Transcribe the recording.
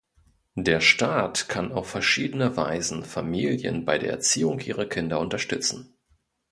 Der Staat kann auf verschiedene Weisen Familien bei der Erziehung ihrer Kinder unterstützen.